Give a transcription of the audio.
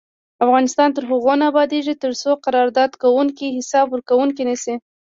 افغانستان تر هغو نه ابادیږي، ترڅو قرارداد کوونکي حساب ورکوونکي نشي.